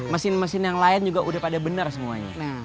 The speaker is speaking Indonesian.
mesin mesin yang lain juga udah pada benar semuanya